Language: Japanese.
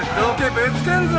ぶつけんぞ！